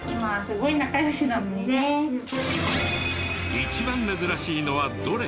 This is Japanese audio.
一番珍しいのはどれ？